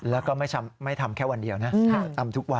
แล้วก็ไม่ทำแค่วันเดียวนะทำทุกวัน